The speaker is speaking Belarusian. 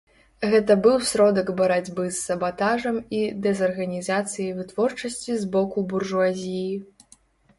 Гэта быў сродак барацьбы з сабатажам і дэзарганізацыяй вытворчасці з боку буржуазіі.